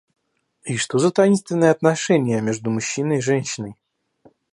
И что за таинственные отношения между мужчиной и женщиной?